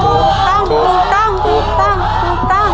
ถูกตั้งถูกตั้งถูกตั้งถูกตั้ง